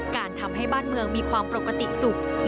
การทำให้บ้านเมืองมีความประกอบติศุกร์เรียบร้อย